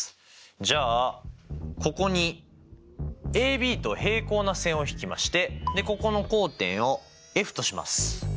じゃあここにＡＢと平行な線を引きましてでここの交点をＦとします。